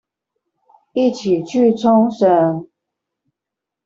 一起去沖繩